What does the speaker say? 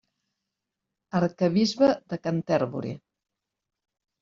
Arquebisbe de Canterbury.